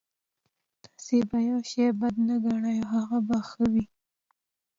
تاسې به يو شی بد ګڼئ او هغه به ښه وي.